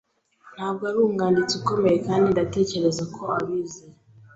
Ntabwo ari umwanditsi ukomeye kandi ndatekereza ko abizi.